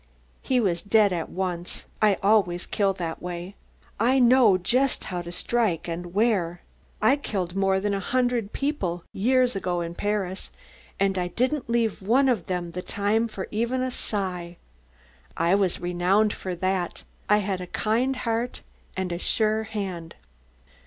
He was dead at once. I always kill that way I know just how to strike and where. I killed more than a hundred people years ago in Paris, and I didn't leave one of them the time for even a sigh. I was renowned for that I had a kind heart and a sure hand."